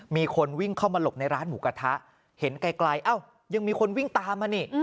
มีคนวิ่งเข้ามาหลบในร้านหมูกระทะเห็นไกลเอ้ายังมีคนวิ่งตามมานี่